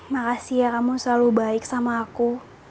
makasih ya kamu selalu baik sama aku